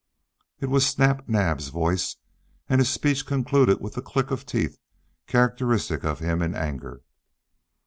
It was Snap Naab's voice, and his speech concluded with the click of teeth characteristic of him in anger.